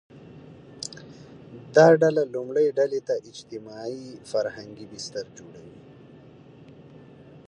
دا ډله لومړۍ ډلې ته اجتماعي – فرهنګي بستر جوړوي